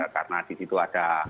karena di situ ada